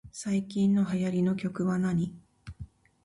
最近流行りの曲はなに